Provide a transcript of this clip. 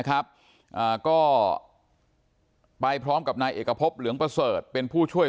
ก็ไปพร้อมกับนายเอกพบเหลืองประเสริฐเป็นผู้ช่วย